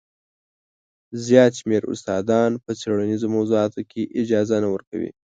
زیات شمېر استادان په څېړنیزو موضوعاتو کې اجازه نه ورکوي.